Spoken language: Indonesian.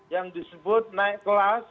yang disebut naik kelas